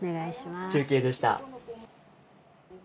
中継でした。